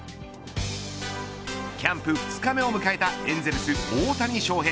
キャンプ２日目を迎えたエンゼルス、大谷翔平。